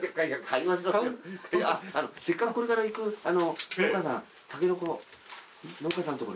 せっかくこれから行く農家さん。